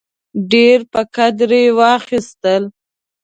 ډېر په قدر یې واخیستل.